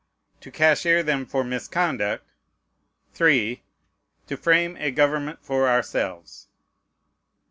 "To cashier them for misconduct." 3. "To frame a government for ourselves."